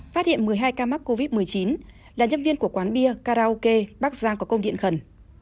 phát hiện một mươi hai ca mắc covid một mươi chín là nhân viên của quán bia karaoke bắc giang có công điện khẩn